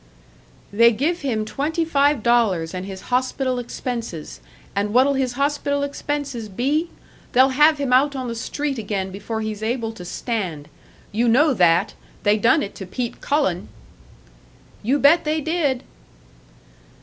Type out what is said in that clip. "They give him twenty five dollars and his hospital expenses and what'll his hospital expenses be? They'll have him out on the street again before he's able to stand. You know that they done it to Pete Cullen!" "You bet they did!"